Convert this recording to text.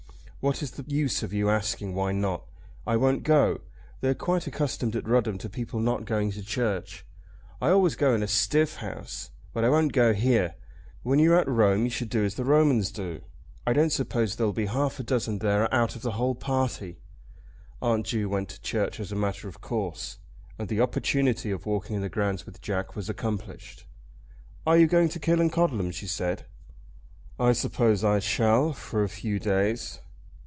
"What is the use of your asking 'why not?' I won't go. They are quite accustomed at Rudham to people not going to church. I always go in a stiff house, but I won't go here. When you are at Rome you should do as the Romans do. I don't suppose there'll be half a dozen there out of the whole party." Aunt Ju went to church as a matter of course, and the opportunity of walking in the grounds with Jack was accomplished. "Are you going to Killancodlem?" she said. "I suppose I shall, for a few days."